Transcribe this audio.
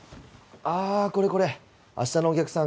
あこれこれ明日のお客さん